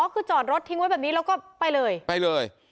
คือจอดรถทิ้งไว้แบบนี้แล้วก็ไปเลยไปเลย